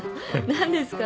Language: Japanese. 何ですか？